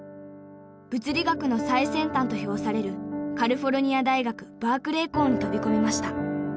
物理学の最先端と評されるカリフォルニア大学バークレー校に飛び込みました。